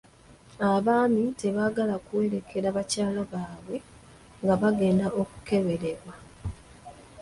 Abaami tebaagala kuwerekera bakyala baabwe nga bagenda okukeberebwa.